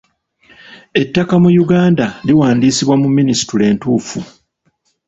Ettaka mu Uganda liwandiisibwa mu minisitule entuufu.